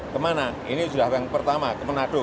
kemana ini sudah yang pertama ke menado